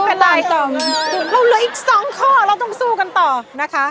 เราเหลืออีกสองข้อเราต้องสู้กันต่อนะคะ